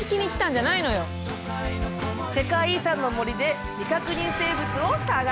世界遺産の森で未確認生物を探しちゃおう！